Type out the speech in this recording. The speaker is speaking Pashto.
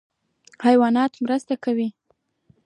حیوانات مرسته کوي.